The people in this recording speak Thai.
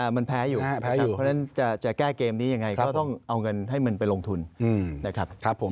เพราะฉะนั้นจะแก้เกมนี้ยังไงก็ต้องเอาเงินให้มันไปลงทุนนะครับ